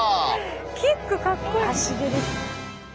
キックかっこいい！